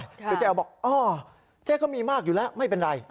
คือเจ๊อ๋อบอกอ๋อเจ๊ก็มีมากอยู่แล้วไม่เป็นไร